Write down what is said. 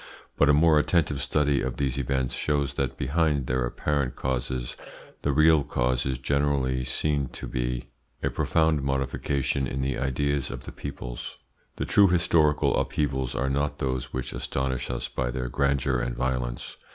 But a more attentive study of these events shows that behind their apparent causes the real cause is generally seen to be a profound modification in the ideas of the peoples. The true historical upheavals are not those which astonish us by their grandeur and violence.